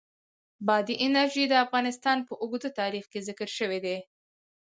بادي انرژي د افغانستان په اوږده تاریخ کې ذکر شوی دی.